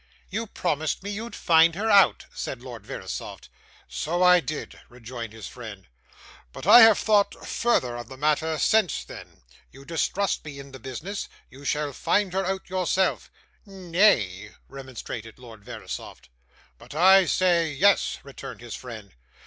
'You promised me you'd find her out,' said Lord Verisopht. 'So I did,' rejoined his friend; 'but I have thought further of the matter since then. You distrust me in the business you shall find her out yourself.' 'Na ay,' remonstrated Lord Verisopht. 'But I say yes,' returned his friend.